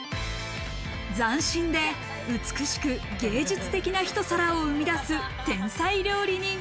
斬新で美しく、芸術的なひと皿を生み出す天才料理人。